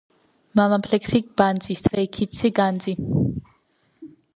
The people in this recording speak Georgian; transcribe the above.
მამაფლექსი ბანძი სთრეი ქიდსი განძი